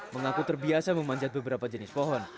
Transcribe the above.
mengaku terbiasa memanjat beberapa jenis pohon